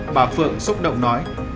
bà phượng xúc động nói